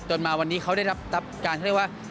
จนมาวันนี้เขาได้รับการพูดว่า